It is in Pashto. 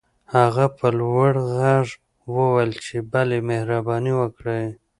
هغه په لوړ غږ وويل چې بلې مهرباني وکړئ.